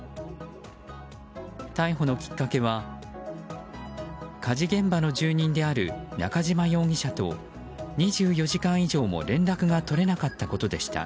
逮捕のきっかけは火事現場の住人である中島容疑者と２４時間以上も連絡が取れなかったことでした。